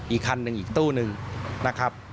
อีกคันหนึ่งอีกตู้นึงนะครับ